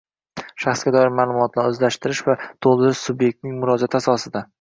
Shaxsga doir ma’lumotlarni o‘zgartirish va to‘ldirish subyektning murojaati asosida